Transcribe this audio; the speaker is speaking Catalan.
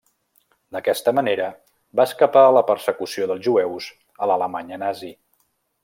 D'aquesta manera va escapar a la persecució dels jueus a l'Alemanya nazi.